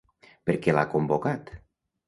Per què l’ha convocat?